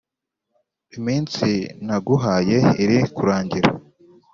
iminsi naguhaye iri kurangira”